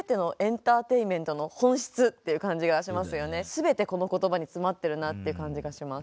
全てこの言葉に詰まってるなって感じがします。